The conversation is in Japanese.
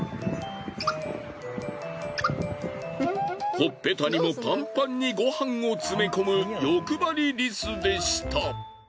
ほっぺたにもパンパンにごはんを詰め込む欲張りリスでした。